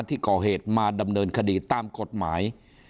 ที่ก่อเหตุมาดำเนินคดีตามกฎหมาย